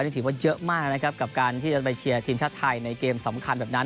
ถือว่าเยอะมากนะครับกับการที่จะไปเชียร์ทีมชาติไทยในเกมสำคัญแบบนั้น